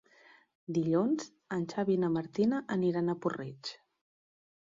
Dilluns en Xavi i na Martina aniran a Puig-reig.